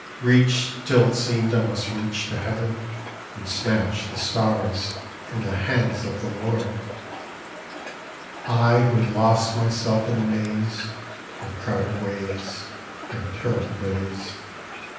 Reached till it seemed I must reach to heaven And snatch the stars from the hands of the Lord I I who had lost myself in the maze Of crowded ways And terrible days.